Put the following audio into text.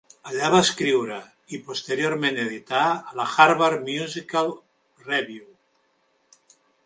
Allà va escriure i posteriorment editar la "Harvard Musical Review".